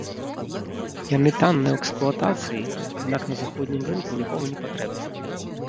Яны танныя ў эксплуатацыі, аднак на заходнім рынку нікому не патрэбныя.